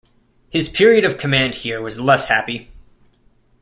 His period of command here was less happy.